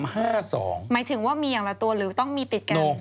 หมายถึงว่ามีอย่างละตัวหรือต้องมีติดกัน